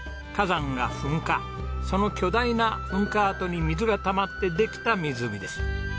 その巨大な噴火跡に水がたまってできた湖です。